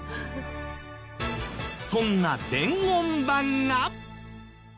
そんな伝言板が。